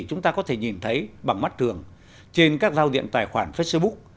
chúng ta có thể nhìn thấy bằng mắt thường trên các giao diện tài khoản facebook